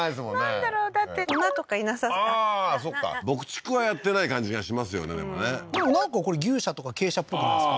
なんだろう？だって馬とかああーそっか牧畜はやってない感じがしますよねでもねでもなんかこれ牛舎とか鶏舎っぽくないですか？